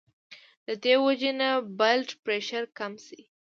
د دې وجې نه بلډ پرېشر کم شي